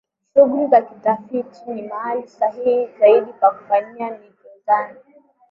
Shughuli za kitafiti ni mahala sahihi zaidi pa kufanyia ni jozani